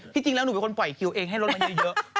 จริงแล้วหนูเป็นคนปล่อยคิวเองให้รถมาเยอะ